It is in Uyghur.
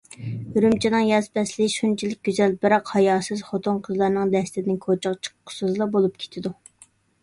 ئۈرۈمچىنىڭ ياز پەسلى شۇنچىلىك گۈزەل، بىراق ھاياسىز خوتۇن-قىزلارنىڭ دەستىدىن كوچىغا چىققۇسىزلا بولۇپ كېتىدۇ.